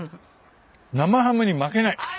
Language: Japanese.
生ハムに負けない。